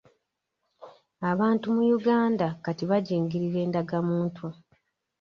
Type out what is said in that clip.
Abantu mu Uganda kati bajingirira endagamuntu.